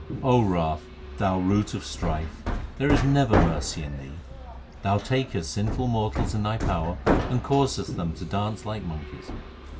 O wrath, thou root of strife, there is never mercy in thee. Thou takest sinful mortals in thy power, and causest them to dance like monkeys.